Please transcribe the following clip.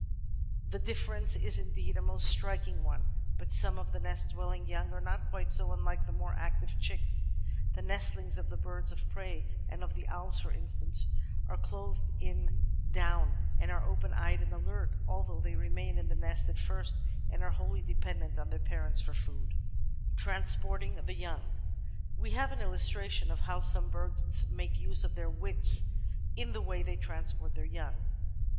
The differ ence is, indeed, a most striking one, but some of the nest dwelling young are not quite so unlike the more active chicks ; the nestlings of the birds of prey and of the owls, for instance, are clothed in PluMo: BtUiik ^ft^s. Th« uucer atuped oata GUILLEMOTS le birda keep to tbete Natural History 443 down and are open eyed and alert, although they remain in the nest at first and are wholly dependent on their parents for food. Transporting the Young We have an illustration of how some birds make use of their wits in the way they transport their young.